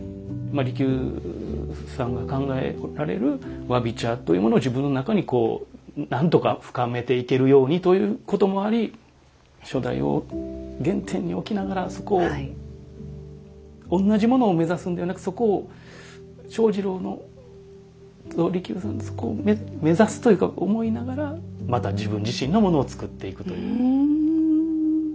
利休さんが考えられるわび茶というものを自分の中になんとか深めていけるようにということもあり初代を原点に置きながらそこを同じものを目指すんではなくそこを目指すというか思いながらまた自分自身のものを作っていくという。